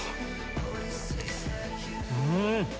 うん！